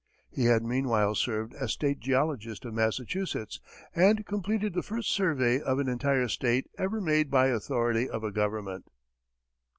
He had meanwhile served as state geologist of Massachusetts, and completed the first survey of an entire state ever made by authority of a government.